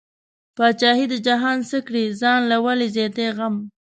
بادشاهي د جهان څه کړې، ځان له ولې زیاتی غم